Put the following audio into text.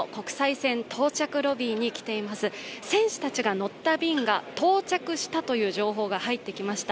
選手たちが乗った便が到着したという情報が入ってきました。